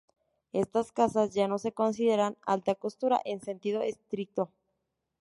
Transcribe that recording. Estas casas ya no se consideran alta costura en sentido estricto.